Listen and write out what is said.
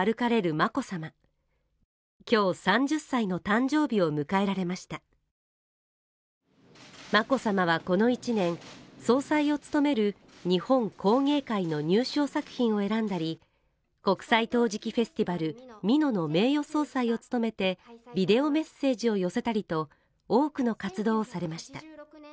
眞子さまはこの１年、総裁を務める日本工芸会の入賞作品を選んだり国際陶磁器フェスティバル美濃の名誉総裁を務めてビデオメッセージを寄せたりと多くの活動をされました。